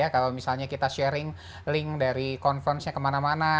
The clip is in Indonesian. kalau misalnya kita sharing link dari konferensi kemana mana